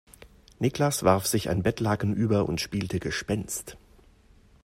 Niklas warf sich ein Bettlaken über und spielte Gespenst.